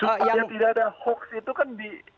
supaya tidak ada hoax itu kan